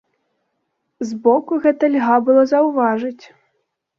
Збоку гэта льга было заўважыць.